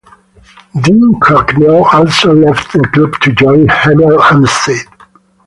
Dean Cracknell also left the club to join Hemel Hempstead.